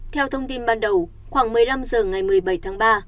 theo thông tin ban đầu khoảng một mươi năm h ngày một mươi bảy tháng ba